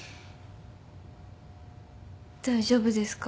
大丈夫ですか？